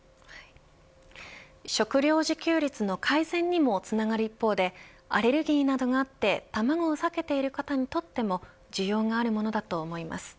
食料自給率の改善にもつながる一方でアレルギーなどがあって卵を避けている方にとっても需要があるものだと思います。